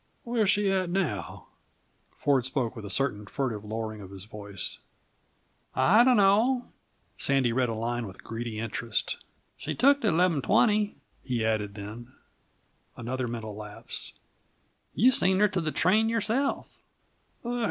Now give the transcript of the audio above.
Where's she at now?" Ford spoke with a certain furtive lowering of his voice. "I d' know." Sandy read a line with greedy interest. "She took the 'leven twenty," he added then. Another mental lapse. "You seen her to the train yourself."